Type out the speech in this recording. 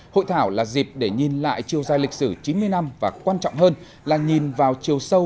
hội thảo là dịp để nhìn lại chiều dài lịch sử chín mươi năm và quan trọng hơn là nhìn vào chiều sâu